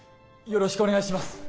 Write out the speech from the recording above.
よろしくお願いします！